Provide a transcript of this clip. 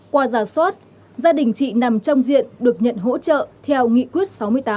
qua giả soát gia đình chị nằm trong diện được nhận hỗ trợ theo nghị quyết sáu mươi tám